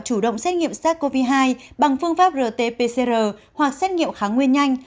chủ động xét nghiệm sars cov hai bằng phương pháp rt pcr hoặc xét nghiệm kháng nguyên nhanh